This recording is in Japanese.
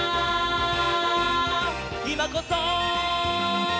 「いまこそ！」